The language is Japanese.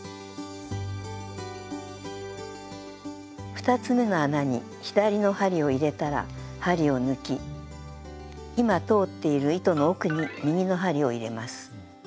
２つめの穴に左の針を入れたら針を抜き今通っている糸の奥に右の針を入れます。